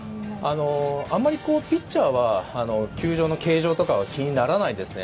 あまりピッチャーは球場の形状とかは気にならないですね。